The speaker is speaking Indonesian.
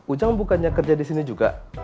ujang bukannya kerja disini juga